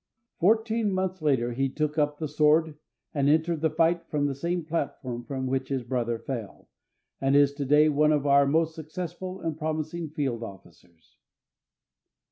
Fourteen months later he took up the sword, and entered the Fight from the same platform from which his brother fell, and is to day one of our most successful and promising Field Officers.